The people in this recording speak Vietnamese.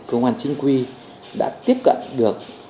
công an chính quy đã tiếp cận được